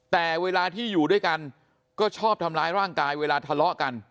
แต่เวลาที่อยู่ด้วยกันก็ชอบทำร้ายร่างกายเวลาทะเลาะกัน